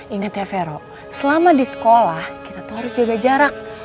ingat ya vero selama di sekolah kita tuh harus jaga jarak